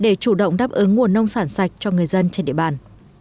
để chủ động đáp ứng nguồn nông sản sạch cho người dân trên địa bàn